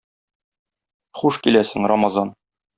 Хуш киләсең, Рамазан!